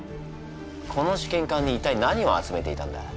この試験管に一体何を集めていたんだ？